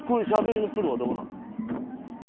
しゃべりのプロはどうなの？